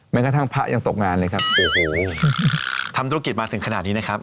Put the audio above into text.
กระทั่งพระยังตกงานเลยครับโอ้โหทำธุรกิจมาถึงขนาดนี้นะครับ